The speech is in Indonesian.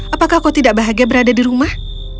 apakah kau tidak bahagia berada di rumah